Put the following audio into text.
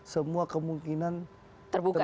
semua kemungkinan terbuka